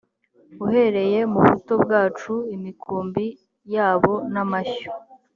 uhereye mu buto bwacu imikumbi yabo n amashyo